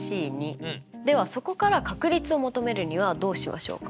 ではそこから確率を求めるにはどうしましょうか？